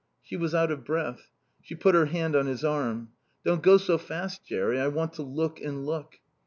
She was out of breath. She put her hand on his arm. "Don't go so fast, Jerry. I want to look and look."